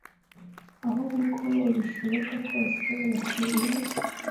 ahubwo uko bishoboka kose bakwiriye